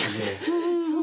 そう。